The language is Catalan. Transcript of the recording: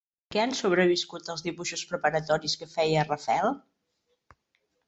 Per què han sobreviscut els dibuixos preparatoris que feia Rafael?